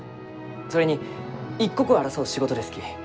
それに一刻を争う仕事ですき。